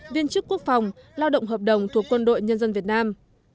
viên chức quốc phòng lao động hợp đồng thuộc quân đội nhân dân việt nam